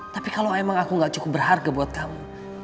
tapi kalau emang aku gak cukup berharga buat kamu